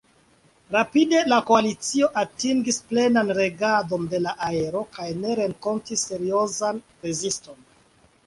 Rapide la koalicio atingis plenan regadon de la aero kaj ne renkontis seriozan reziston.